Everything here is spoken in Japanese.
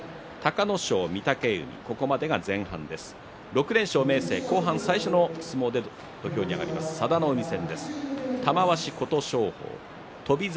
６連勝、明生、後半最初の相撲で土俵に上がります、佐田の海戦です。